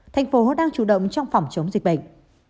thành phố đang chủ động trong phòng chống dịch bệnh